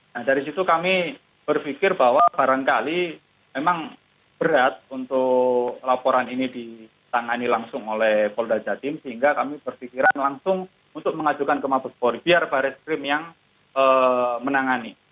nah dari situ kami berpikir bahwa barangkali memang berat untuk laporan ini ditangani langsung oleh polda jatim sehingga kami berpikiran langsung untuk mengajukan ke mabes polri biar baris krim yang menangani